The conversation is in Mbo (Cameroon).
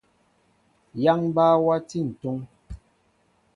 Yááŋ mbaa wati ntúŋ.